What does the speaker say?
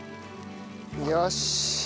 よし！